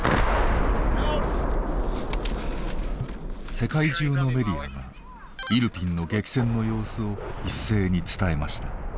世界中のメディアがイルピンの激戦の様子を一斉に伝えました。